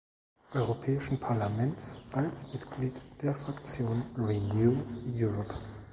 Europäischen Parlamentes als Mitglied der Fraktion Renew Europe.